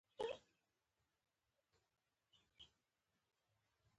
قانون ته درناوی د هر وګړي وجیبه ده.